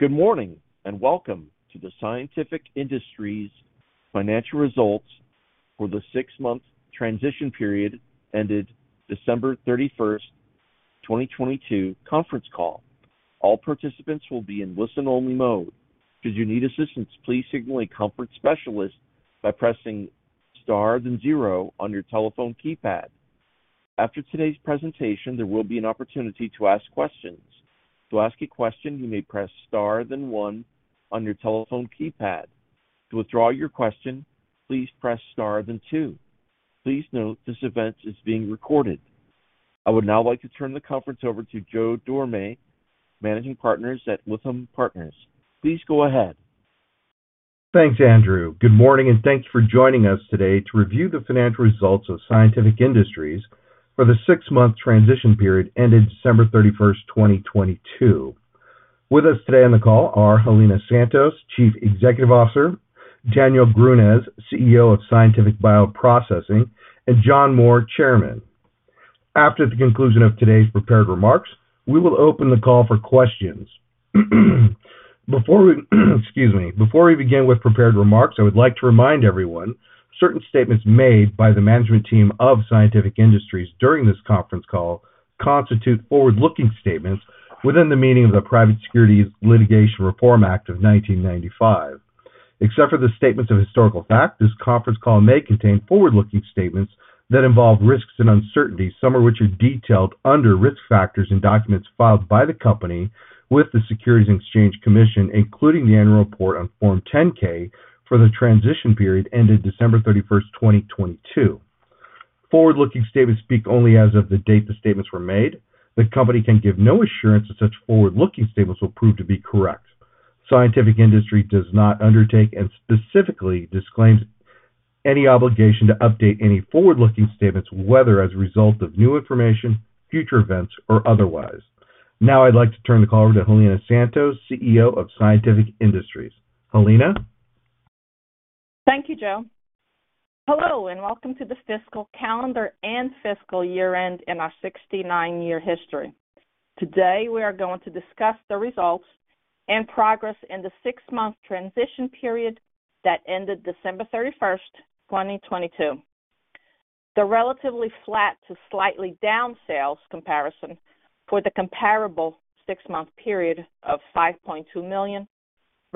Good morning, and welcome to the Scientific Industries financial results for the six-month transition period ended December 31st, 2022 conference call. All participants will be in listen only mode. Should you need assistance, please signal a conference specialist by pressing Star then zero on your telephone keypad. After today's presentation, there will be an opportunity to ask questions. To ask a question, you may press Star then one on your telephone keypad. To withdraw your question, please press Star then two. Please note this event is being recorded. I would now like to turn the conference over to Joe Dorame, Managing Partner at Lytham Partners. Please go ahead. Thanks, Andrew. Good morning, and thanks for joining us today to review the financial results of Scientific Industries for the six-month transition period ended December 31st, 2022. With us today on the call are Helena Santos, Chief Executive Officer, Daniel Grünes, CEO of Scientific Bioprocessing, and John Moore, Chairman. After the conclusion of today's prepared remarks, we will open the call for questions. Before we begin with prepared remarks, I would like to remind everyone, certain statements made by the management team of Scientific Industries during this conference call constitute forward-looking statements within the meaning of the Private Securities Litigation Reform Act of 1995. Except for the statements of historical fact, this conference call may contain forward-looking statements that involve risks and uncertainties, some of which are detailed under risk factors and documents filed by the company with the Securities and Exchange Commission, including the annual report on Form 10-K for the transition period ended December 31st, 2022. Forward-looking statements speak only as of the date the statements were made. The company can give no assurance that such forward-looking statements will prove to be correct. Scientific Industries does not undertake and specifically disclaims any obligation to update any forward-looking statements, whether as a result of new information, future events or otherwise. I'd like to turn the call over to Helena Santos, CEO of Scientific Industries. Helena? Thank you, Joe. Hello, welcome to the fiscal calendar and fiscal year-end in our 69-year history. Today, we are going to discuss the results and progress in the six-month transition period that ended December 31st, 2022. The relatively flat to slightly down sales comparison for the comparable six-month period of $5.2 million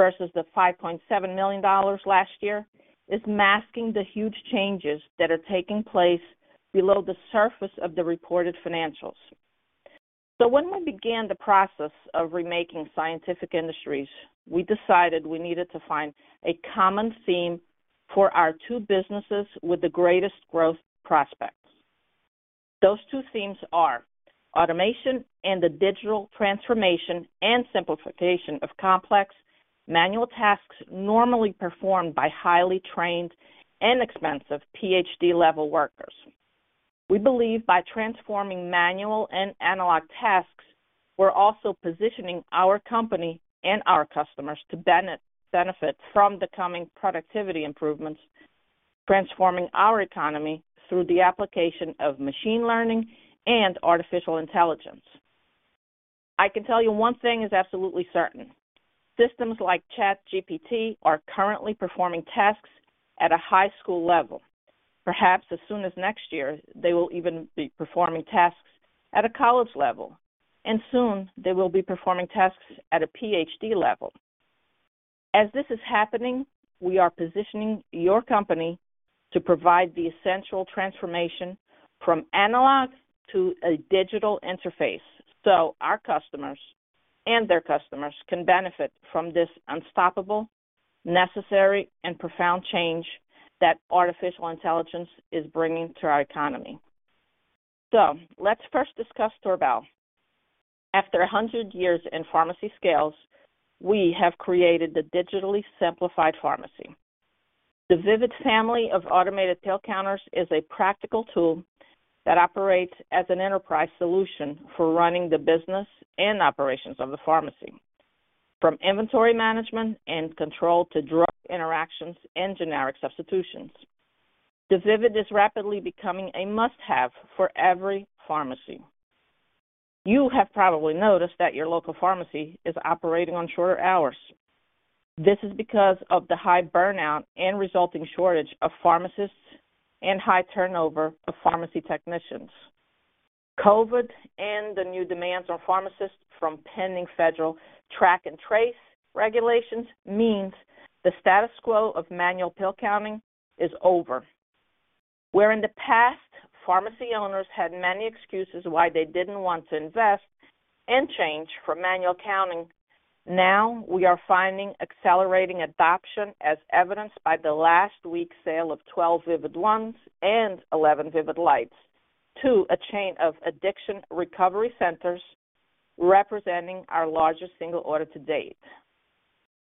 versus the $5.7 million last year is masking the huge changes that are taking place below the surface of the reported financials. When we began the process of remaking Scientific Industries, we decided we needed to find a common theme for our two businesses with the greatest growth prospects. Those two themes are automation and the digital transformation and simplification of complex manual tasks normally performed by highly trained and expensive PhD level workers. We believe by transforming manual and analog tasks, we're also positioning our company and our customers to benefit from the coming productivity improvements, transforming our economy through the application of machine learning and artificial intelligence. I can tell you one thing is absolutely certain. Systems like ChatGPT are currently performing tasks at a high school level. Perhaps as soon as next year, they will even be performing tasks at a college level, and soon they will be performing tasks at a PhD level. As this is happening, we are positioning your company to provide the essential transformation from analog to a digital interface, so our customers and their customers can benefit from this unstoppable, necessary and profound change that artificial intelligence is bringing to our economy. Let's first discuss Torbal. After 100 years in pharmacy scales, we have created the digitally simplified pharmacy. The VIVID family of automated pill counters is a practical tool that operates as an enterprise solution for running the business and operations of the pharmacy. From inventory management and control to drug interactions and generic substitutions, the VIVID is rapidly becoming a must-have for every pharmacy. You have probably noticed that your local pharmacy is operating on shorter hours. This is because of the high burnout and resulting shortage of pharmacists and high turnover of pharmacy technicians. COVID and the new demands on pharmacists from pending federal track and trace regulations means the status quo of manual pill counting is over. Where in the past, pharmacy owners had many excuses why they didn't want to invest and change from manual counting, now we are finding accelerating adoption as evidenced by the last week's sale of 12 VIVID ONEs and 11 VIVID LITE to a chain of addiction recovery centers representing our largest single order to date.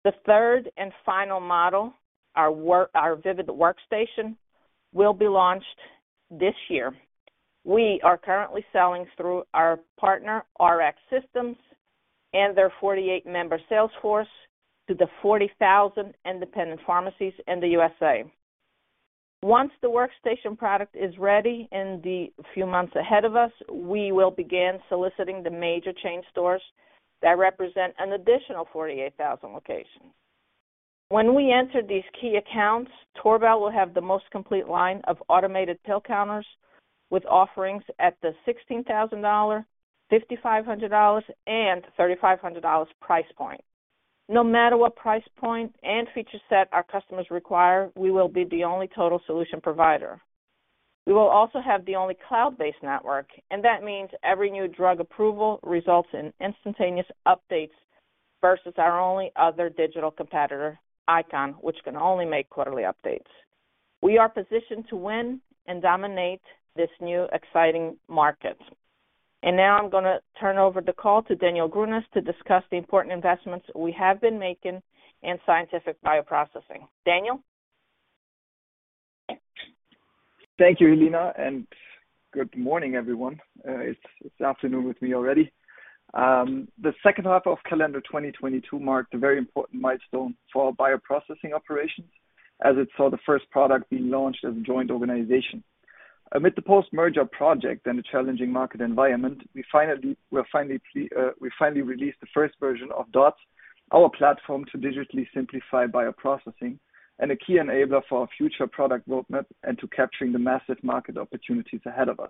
The third and final model, our VIVID Workstation, will be launched this year. We are currently selling through our partner Rx Systems and their 48 member sales force to the 40,000 independent pharmacies in the USA. Once the Workstation product is ready in the few months ahead of us, we will begin soliciting the major chain stores that represent an additional 48,000 locations. When we enter these key accounts, Torbal will have the most complete line of automated pill counters with offerings at the $16,000, $5,500, and $3,500 price point. No matter what price point and feature set our customers require, we will be the only total solution provider. We will also have the only cloud-based network, that means every new drug approval results in instantaneous updates versus our only other digital competitor, Eyecon, which can only make quarterly updates. We are positioned to win and dominate this new, exciting market. Now I'm gonna turn over the call to Daniel Grünes to discuss the important investments we have been making in Scientific Bioprocessing. Daniel? Thank you, Helena, and good morning, everyone. It's afternoon with me already. The second half of calendar 2022 marked a very important milestone for our bioprocessing operations as it saw the first product being launched as a joint organization. Amid the post-merger project and a challenging market environment, we finally released the first version of DOTS, our platform to digitally simplify bioprocessing and a key enabler for our future product roadmap and to capturing the massive market opportunities ahead of us.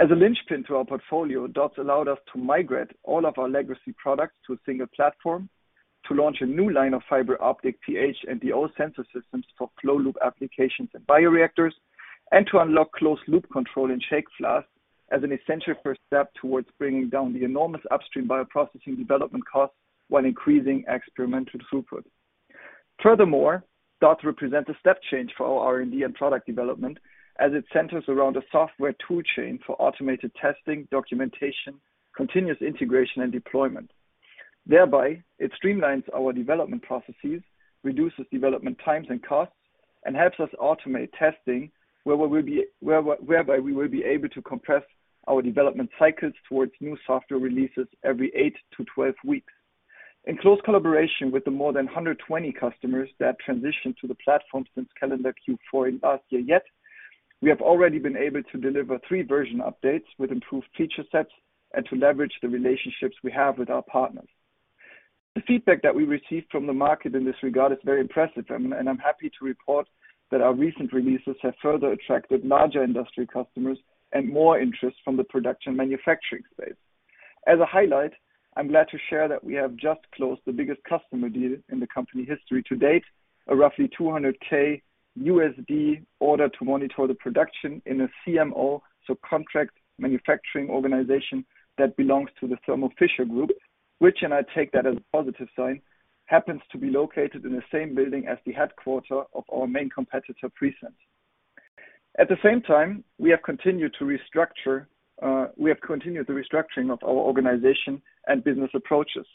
As a linchpin to our portfolio, DOTS allowed us to migrate all of our legacy products to a single platform to launch a new line of fiber optic pH and DO sensor systems for flow loop applications and bioreactors, and to unlock closed loop control in shake flasks as an essential first step towards bringing down the enormous upstream bioprocessing development costs while increasing experimental throughput. DOTS represent a step change for our R&D and product development as it centers around a software tool chain for automated testing, documentation, continuous integration, and deployment. It streamlines our development processes, reduces development times and costs, and helps us automate testing, whereby we will be able to compress our development cycles towards new software releases every eight to 12 weeks. In close collaboration with the more than 120 customers that transitioned to the platform since calendar Q4 in last year yet, we have already been able to deliver three version updates with improved feature sets and to leverage the relationships we have with our partners. The feedback that we received from the market in this regard is very impressive, and I'm happy to report that our recent releases have further attracted larger industry customers and more interest from the production manufacturing space. As a highlight, I'm glad to share that we have just closed the biggest customer deal in the company history to date, a roughly $200,000 order to monitor the production in a CMO, so contract manufacturing organization that belongs to the Thermo Fisher Scientific, which, and I take that as a positive sign, happens to be located in the same building as the headquarters of our main competitor, PreSens. At the same time, we have continued the restructuring of our organization and business approaches.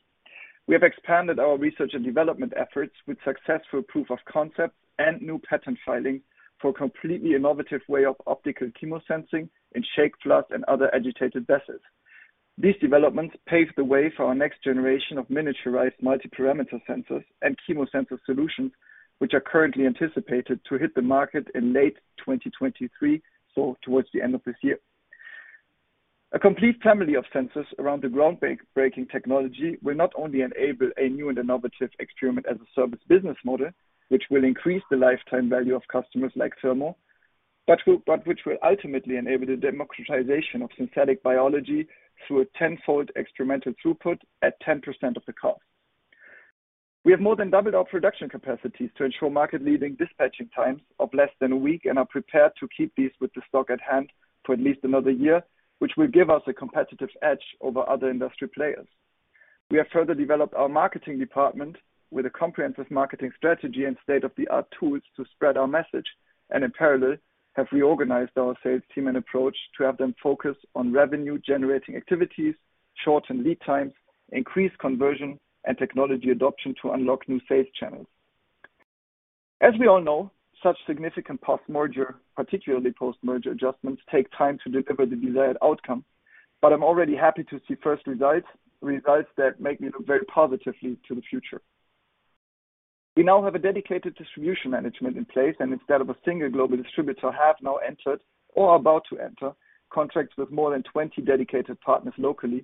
We have expanded our research and development efforts with successful proof of concept and new patent filing for a completely innovative way of optical chemosensing in shake flasks and other agitated vessels. These developments paved the way for our next generation of miniaturized multi-parameter sensors and chemosensor solutions, which are currently anticipated to hit the market in late 2023, so towards the end of this year. A complete family of sensors around the groundbreaking technology will not only enable a new and innovative Experiment as a Service business model, which will increase the lifetime value of customers like Thermo, but will, but which will ultimately enable the democratization of synthetic biology through a ten-fold experimental throughput at 10% of the cost. We have more than doubled our production capacities to ensure market-leading dispatching times of less than one week and are prepared to keep these with the stock at hand for at least one year, which will give us a competitive edge over other industry players. We have further developed our marketing department with a comprehensive marketing strategy and state-of-the-art tools to spread our message. In parallel, have reorganized our sales team and approach to have them focus on revenue-generating activities, shorten lead times, increase conversion and technology adoption to unlock new sales channels. As we all know, such significant post-merger, particularly post-merger adjustments, take time to deliver the desired outcome. I'm already happy to see first results that make me look very positively to the future. We now have a dedicated distribution management in place. Instead of a single global distributor, have now entered or are about to enter contracts with more than 20 dedicated partners locally,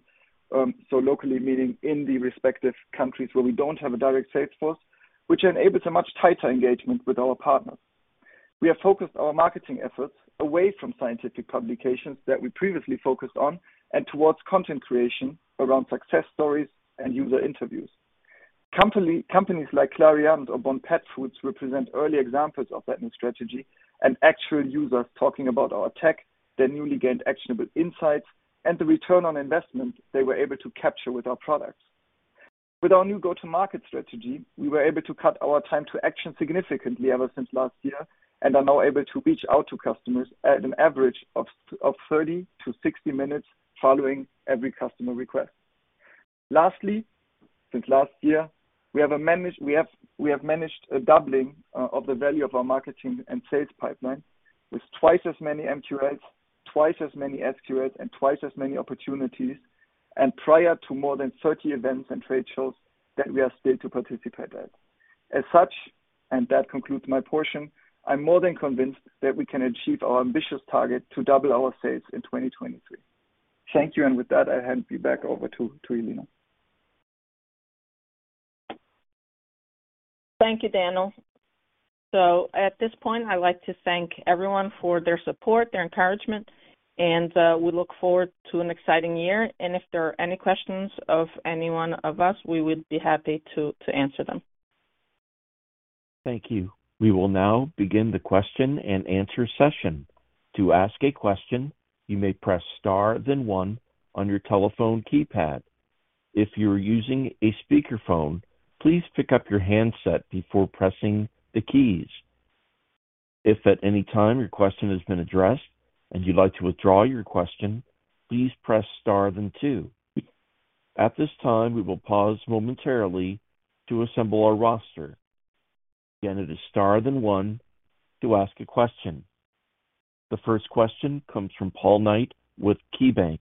so locally meaning in the respective countries where we don't have a direct sales force, which enables a much tighter engagement with our partners. We have focused our marketing efforts away from scientific publications that we previously focused on and towards content creation around success stories and user interviews. Companies like Clariant or Bond Pet Foods represent early examples of that new strategy and actual users talking about our tech, their newly gained actionable insights, and the return on investment they were able to capture with our products. With our new go-to-market strategy, we were able to cut our time to action significantly ever since last year and are now able to reach out to customers at an average of 30 minutes to 60 minutes following every customer request. Lastly, since last year, we have managed a doubling of the value of our marketing and sales pipeline with twice as many MQLs, twice as many SQL, and twice as many opportunities. Prior to more than 30 events and trade shows that we are still to participate at. As such, and that concludes my portion, I'm more than convinced that we can achieve our ambitious target to double our sales in 2023. Thank you. With that, I hand you back over to Helena. Thank you, Daniel. At this point, I'd like to thank everyone for their support, their encouragement, and we look forward to an exciting year. If there are any questions of any one of us, we would be happy to answer them. Thank you. We will now begin the question and answer session. To ask a question, you may press Star then one on your telephone keypad. If you're using a speakerphone, please pick up your handset before pressing the keys. If at any time your question has been addressed and you'd like to withdraw your question, please press Star then two. At this time, we will pause momentarily to assemble our roster. Again, it is Star then one to ask a question. The first question comes from Paul Knight with KeyBanc.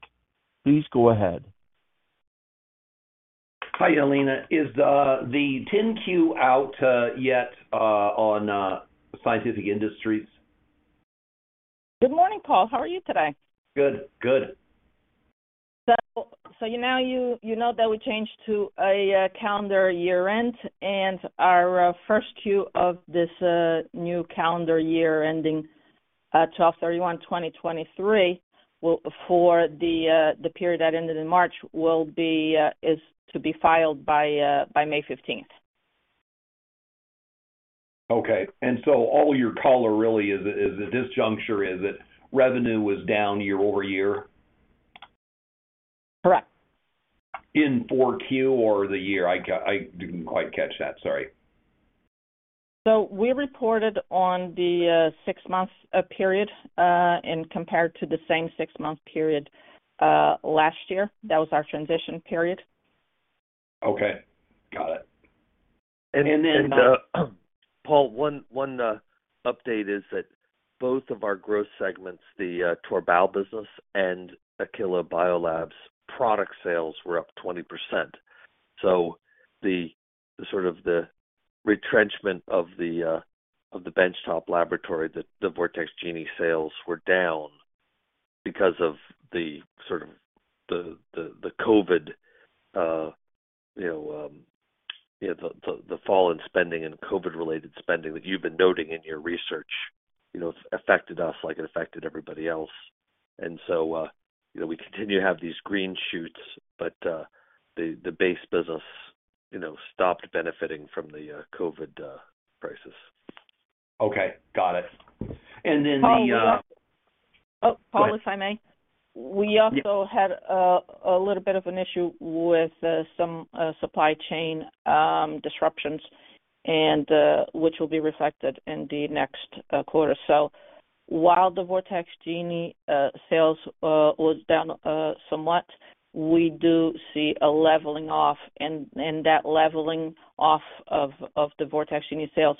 Please go ahead. Hi, Helena. Is the 10-Q out yet on Scientific Industries? Good morning, Paul. How are you today? Good. Good. You know that we changed to a calendar year-end, and our 1st Q of this new calendar year ending 12/31/2023, for the period that ended in March is to be filed by May 15th. Okay. All your color really is at this juncture is that revenue was down year-over-year? Correct. In four Q or the year? I didn't quite catch that, sorry. We reported on the six months period and compared to the same six-month period last year. That was our transition period. Okay. Got it. Paul, one update is that both of our growth segments, the Torbal business and Aquila Biolabs product sales were up 20%. The sort of the retrenchment of the bench top laboratory, the Vortex-Genie sales were down because of the sort of the COVID, you know, the fall in spending and COVID-related spending that you've been noting in your research, you know, affected us like it affected everybody else. You know, we continue to have these green shoots, but the base business, you know, stopped benefiting from the COVID crisis. Okay. Got it. Then the. Paul. Oh, Paul, if I may. Go ahead. We also had a little bit of an issue with supply chain disruptions which will be reflected in the next quarter. While the Vortex-Genie sales was down somewhat, we do see a leveling off, and that leveling off of the Vortex-Genie sales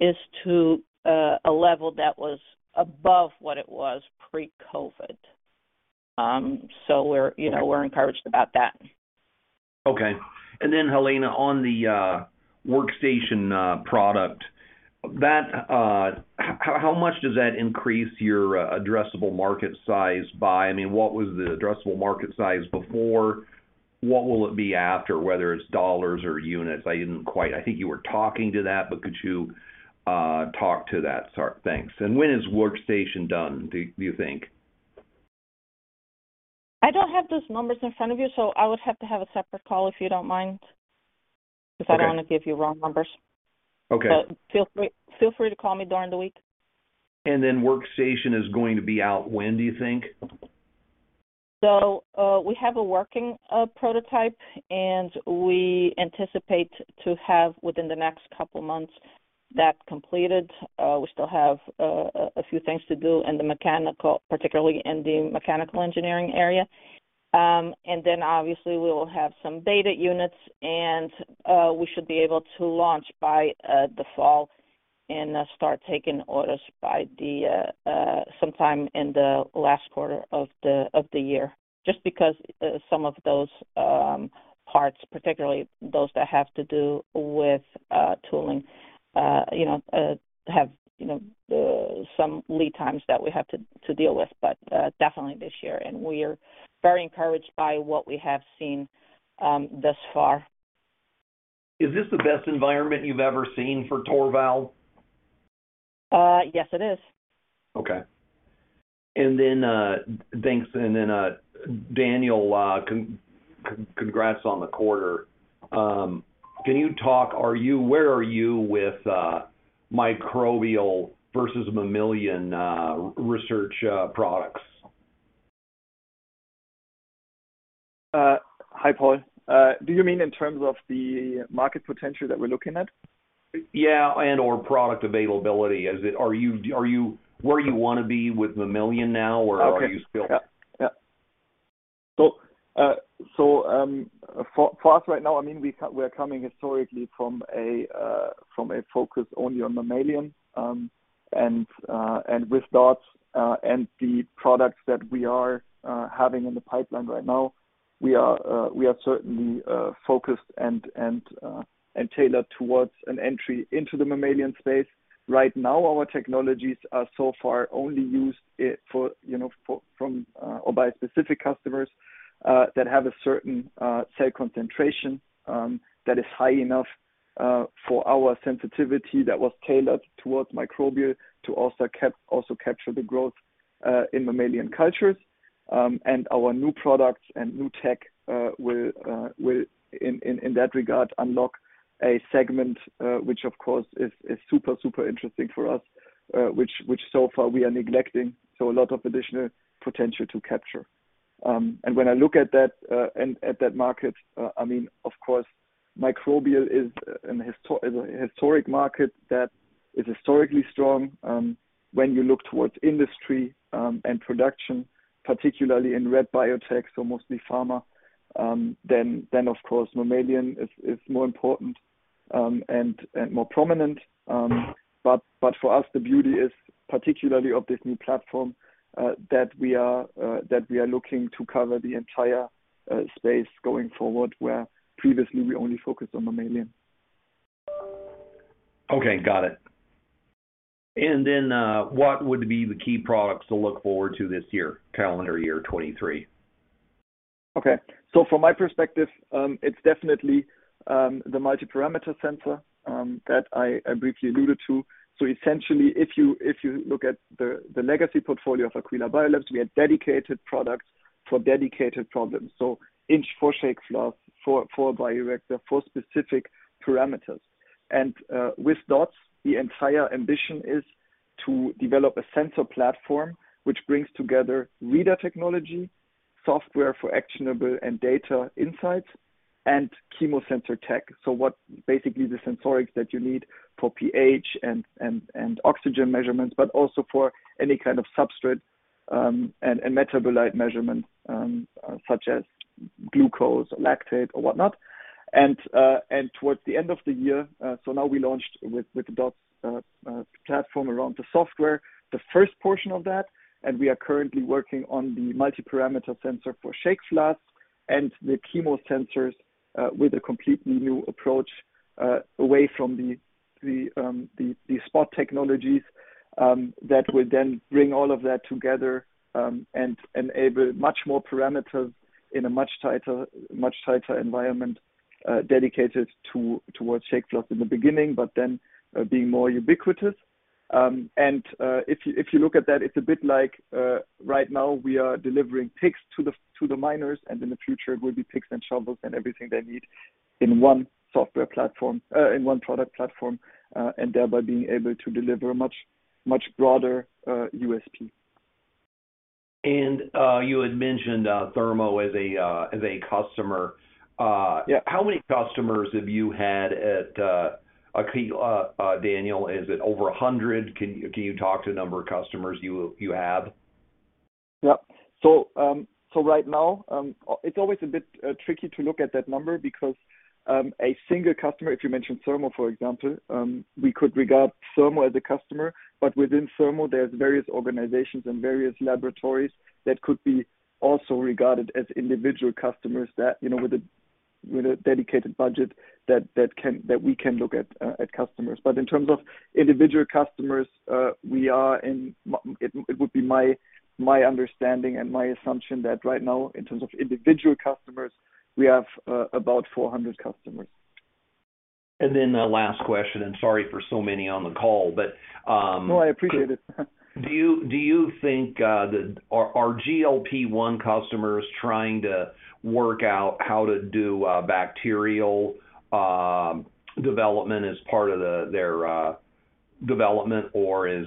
is to a level that was above what it was pre-COVID. We're, you know, we're encouraged about that. Okay. Then Helena, on the VIVID Workstation product, that, how much does that increase your addressable market size by? I mean, what was the addressable market size before? What will it be after, whether it's dollars or units? I didn't quite... I think you were talking to that, but could you talk to that? Thanks. When is VIVID Workstation done, do you think? I don't have those numbers in front of you, so I would have to have a separate call if you don't mind. Okay. Because I don't want to give you wrong numbers. Okay. Feel free to call me during the week. VIVID Workstation is going to be out when do you think? We have a working prototype, and we anticipate to have within the next couple of months that completed. We still have a few things to do in the mechanical, particularly in the mechanical engineering area. Then obviously we will have some beta units and we should be able to launch by the fall and start taking orders by the sometime in the last quarter of the year. Just because some of those parts, particularly those that have to do with tooling, you know, have, you know, some lead times that we have to deal with. Definitely this year. We are very encouraged by what we have seen thus far. Is this the best environment you've ever seen for Torbal? Yes, it is. Okay. Thanks. Daniel, congrats on the quarter. Can you talk, where are you with microbial versus mammalian research products? Hi, Paul Knight. Do you mean in terms of the market potential that we're looking at? Yeah, and/or product availability. Are you where you wanna be with mammalian now or are you? Okay. Yeah. Yeah. For us right now, I mean, we're coming historically from a focus only on mammalian. With DOTS, and the products that we are having in the pipeline right now, we are certainly focused and tailored towards an entry into the mammalian space. Right now, our technologies are so far only used, for, you know, from, or by specific customers that have a certain cell concentration that is high enough for our sensitivity that was tailored towards microbial to also capture the growth in mammalian cultures. Our new products and new tech will in that regard, unlock a segment which of course is super interesting for us which so far we are neglecting, so a lot of additional potential to capture. When I look at that and at that market, I mean, of course, microbial is a historic market that is historically strong, when you look towards industry and production, particularly in red biotech, so mostly pharma, then of course mammalian is more important and more prominent. For us, the beauty is particularly of this new platform that we are looking to cover the entire space going forward, where previously we only focused on mammalian. Okay, got it. What would be the key products to look forward to this year, calendar year 2023? Okay. From my perspective, it's definitely the multi-parameter sensor that I briefly alluded to. Essentially, if you look at the legacy portfolio of Aquila Biolabs, we have dedicated products for dedicated problems. Inch for shake flask, for bioreactor, for specific parameters. With DOTS, the entire ambition is to develop a sensor platform which brings together reader technology, software for actionable and data insights, and chemosensor tech. What basically the sensorics that you need for pH and oxygen measurements, but also for any kind of substrate and metabolite measurements, such as glucose or lactate or whatnot. Towards the end of the year, now we launched with the DOTS platform around the software, the first portion of that, and we are currently working on the multi-parameter sensor for shake flasks and the chemosensors, with a completely new approach, away from the spot technologies, that will then bring all of that together, and enable much more parameters in a much tighter environment, dedicated to, towards shake flasks in the beginning, but then, being more ubiquitous. If you look at that, it's a bit like, right now we are delivering picks to the miners, and in the future it will be picks and shovels and everything they need in one software platform, in one product platform, and thereby being able to deliver much broader, USP. You had mentioned, Thermo as a, as a customer. Yeah. How many customers have you had at, Aquila, Daniel? Is it over 100? Can you talk to the number of customers you have? Right now, it's always a bit tricky to look at that number because a single customer, if you mentioned Thermo, for example, we could regard Thermo as a customer, but within Thermo, there's various organizations and various laboratories that could be also regarded as individual customers that, you know, with a, with a dedicated budget that we can look at customers. In terms of individual customers, it would be my understanding and my assumption that right now, in terms of individual customers, we have about 400 customers. The last question, and sorry for so many on the call, but. No, I appreciate it. Do you think that. Are GLP-1 customers trying to work out how to do bacterial development as part of their development, or is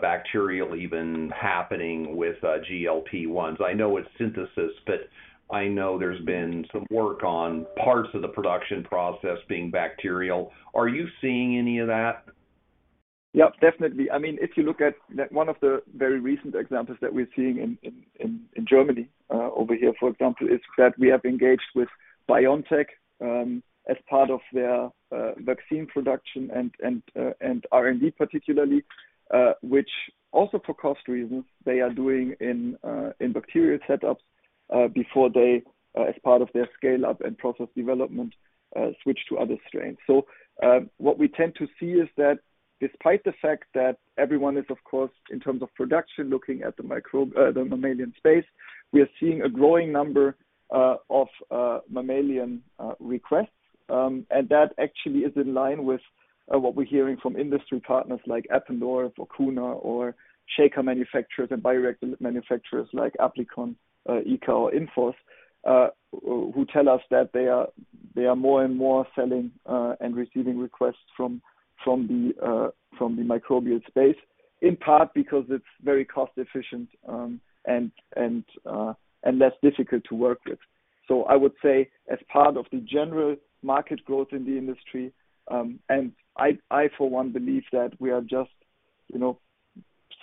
bacterial even happening with GLP-1s? I know it's synthesis, but I know there's been some work on parts of the production process being bacterial. Are you seeing any of that? Yeah, definitely. I mean, if you look at one of the very recent examples that we're seeing in Germany, over here, for example, is that we have engaged with BioNTech, as part of their vaccine production and R&D particularly, which also for cost reasons they are doing in bacterial setups, before they as part of their scale up and process development switch to other strains. What we tend to see is that despite the fact that everyone is, of course, in terms of production, looking at the mammalian space, we are seeing a growing number of mammalian requests. That actually is in line with what we're hearing from industry partners like Applikon or uncertain or shaker manufacturers and bioreactor manufacturers like Applikon, Esco or INFORS HT, who tell us that they are more and more selling and receiving requests from the microbial space, in part because it's very cost-efficient and less difficult to work with. I would say, as part of the general market growth in the industry, I for one, believe that we are just, you know,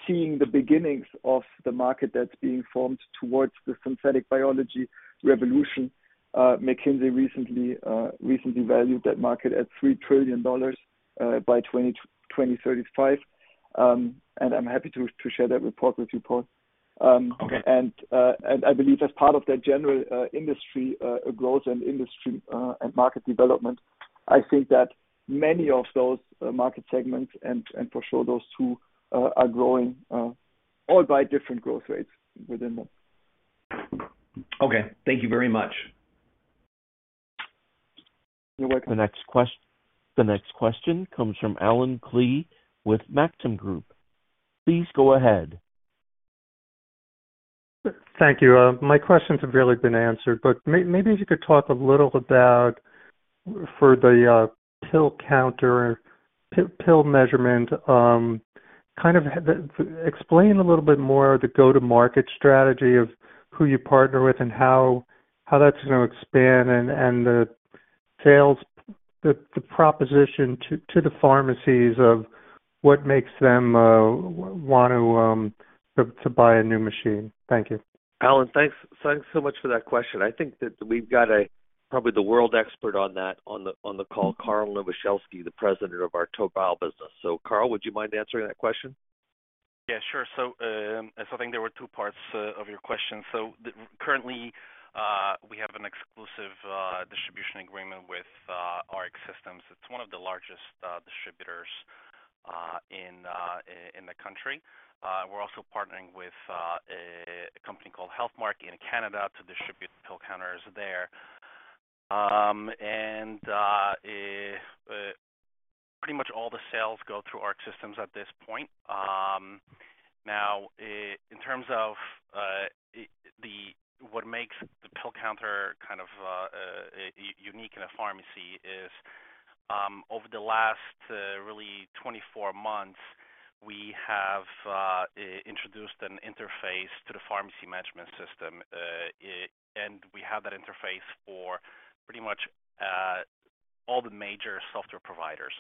seeing the beginnings of the market that's being formed towards the synthetic biology revolution. McKinsey recently valued that market at $3 trillion by 2035. I'm happy to share that report with you, Paul. Okay. I believe as part of that general industry growth and industry and market development, I think that many of those market segments and for sure those two are growing all by different growth rates within them. Okay. Thank you very much. You're welcome. The next question comes from Allen Klee with Maxim Group. Please go ahead. Thank you. My questions have really been answered, but maybe if you could talk a little about for the pill counter, pill measurement, kind of the explain a little bit more the go-to-market strategy of who you partner with and how that's gonna expand and the sales, the proposition to the pharmacies of what makes them want to buy a new machine. Thank you. Allen, thanks so much for that question. I think that we've got probably the world expert on that on the call, Karl Nowosielski, the President of our Torbal business. Karl, would you mind answering that question? Yeah, sure. I think there were two parts of your question. Currently, we have an exclusive distribution agreement with Rx Systems. It's one of the largest distributors in the country. We're also partnering with a company called Healthmark in Canada to distribute pill counters there. Pretty much all the sales go through Rx Systems at this point. Now, in terms of what makes the pill counter kind of unique in a pharmacy is over the last really 24 months, we have introduced an interface to the pharmacy management system, and we have that interface for pretty much all the major software providers.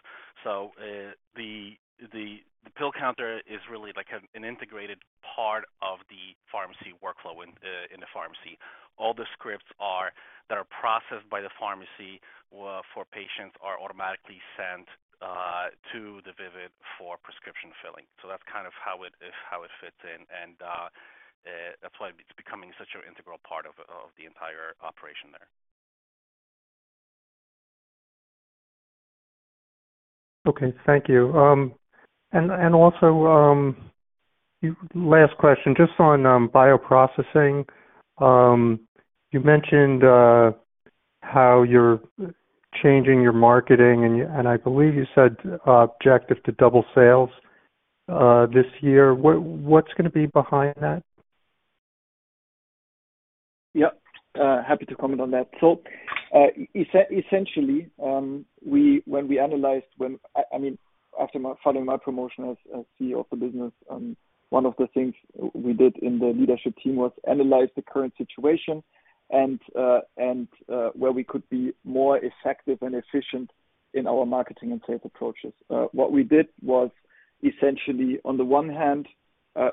The pill counter is really like an integrated part of the pharmacy workflow in the pharmacy. All the scripts that are processed by the pharmacy for patients are automatically sent to the VIVID for prescription filling. That's kind of how it fits in. That's why it's becoming such an integral part of the entire operation there. Okay. Thank you. Last question, just on bioprocessing. You mentioned how you're changing your marketing and I believe you said objective to double sales this year. What's gonna be behind that? Yeah. Happy to comment on that. Essentially, when we analyzed when... I mean, after my, following my promotion as CEO of the business, one of the things we did in the leadership team was analyze the current situation and where we could be more effective and efficient in our marketing and sales approaches. What we did was essentially, on the one hand,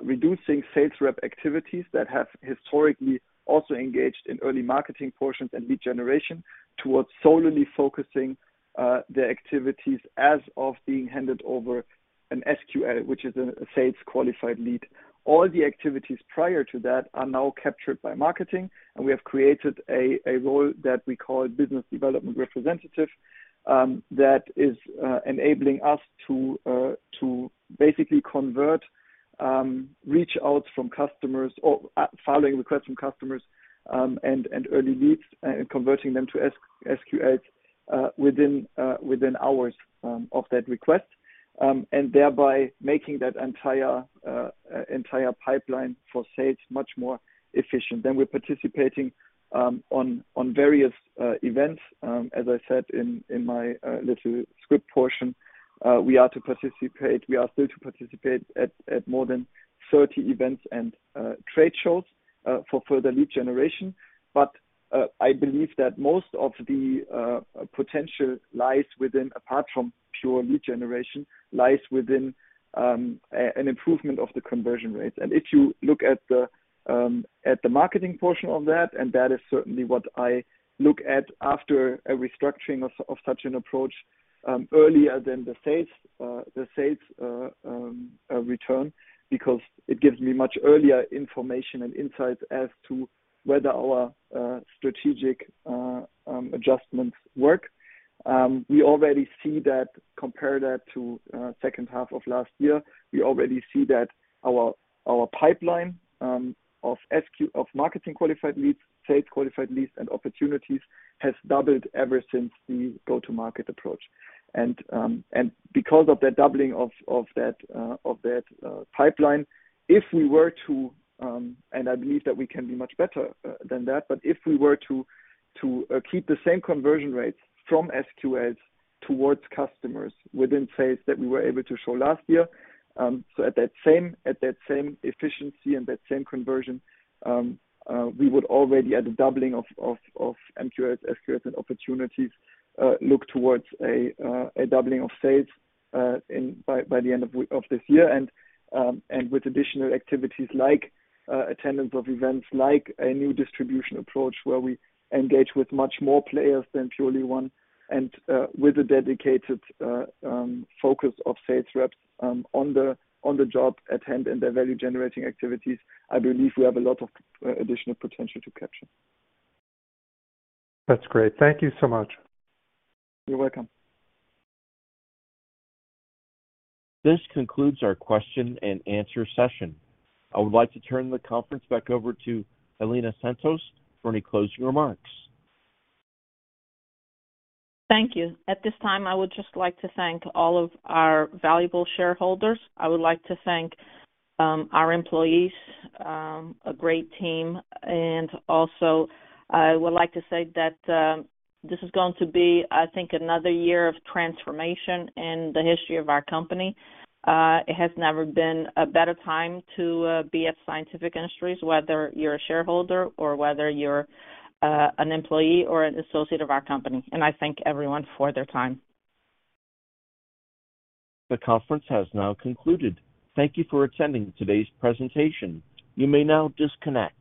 reducing sales rep activities that have historically also engaged in early marketing portions and lead generation towards solely focusing the activities as of being handed over an SQL, which is a sales qualified lead. All the activities prior to that are now captured by marketing, and we have created a role that we call business development representative that is enabling us to basically convert reach outs from customers or following requests from customers, and early leads, and converting them to SQLs within hours of that request, and thereby making that entire pipeline for sales much more efficient. We're participating on various events. As I said in my little script portion, we are to participate. We are still to participate at more than 30 events and trade shows for further lead generation. I believe that most of the potential lies within, apart from pure lead generation, lies within an improvement of the conversion rates. If you look at the marketing portion of that, and that is certainly what I look at after a restructuring of such an approach, earlier than the sales return because it gives me much earlier information and insights as to whether our strategic adjustments work. We already see that. Compare that to second half of last year. We already see that our pipeline of MQLs, SQLs and opportunities has doubled ever since the go-to-market approach. Because of the doubling of that pipeline, if we were to, and I believe that we can be much better than that, but if we were to keep the same conversion rates from SQLs towards customers within sales that we were able to show last year, so at that same, at that same efficiency and that same conversion, we would already at a doubling of MQL, SQLs and opportunities, look towards a doubling of sales by the end of this year. With additional activities like attendance of events, like a new distribution approach where we engage with much more players than purely one and with a dedicated focus of sales reps on the job at hand and their value-generating activities, I believe we have a lot of additional potential to capture. That's great. Thank you so much. You're welcome. This concludes our question and answer session. I would like to turn the conference back over to Helena Santos for any closing remarks. Thank you. At this time, I would just like to thank all of our valuable shareholders. I would like to thank our employees, a great team, and also I would like to say that this is going to be, I think, another year of transformation in the history of our company. It has never been a better time to be at Scientific Industries, whether you're a shareholder or whether you're an employee or an associate of our company. I thank everyone for their time. The conference has now concluded. Thank you for attending today's presentation. You may now disconnect.